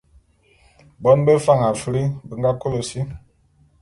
Bon bé Fan Afri be nga kôlô si.